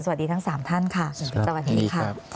สวัสดีทั้ง๓ท่านค่ะสวัสดีครับสวัสดีครับ